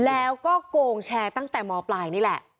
แล้วก็โกงแชร์ตั้งแต่มปลายนี่แหละ